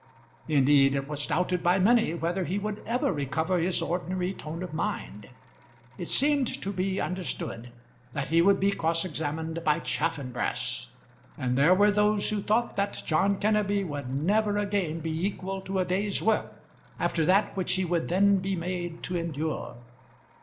Indeed it was doubted by many whether he would ever recover his ordinary tone of mind. It seemed to be understood that he would be cross examined by Chaffanbrass, and there were those who thought that John Kenneby would never again be equal to a day's work after that which he would then be made to endure.